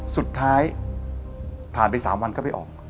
สุดท้ายผ่านไป๓วันก็ไปออก